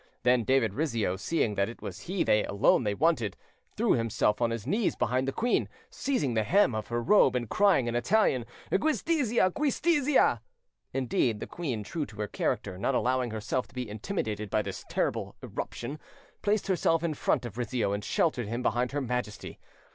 Then David Rizzio, seeing that it was he alone they wanted, threw himself on his knees behind the queen, seizing the hem of her robe and crying in Italian, "Giustizia! giustizia!" Indeed, the queen, true to her character, not allowing herself to be intimidated by this terrible irruption, placed herself in front of Rizzio and sheltered him behind her Majesty.